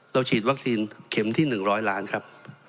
ฉีดวัคซีนเข็มที่๑๐๐ล้านครับ